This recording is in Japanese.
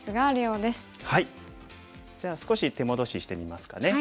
じゃあ少し手戻ししてみますかね。